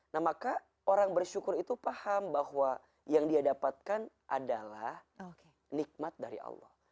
nah maka orang bersyukur itu paham bahwa yang dia dapatkan adalah nikmat dari allah